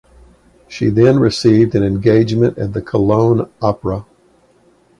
She then received an engagement at the Cologne Opera.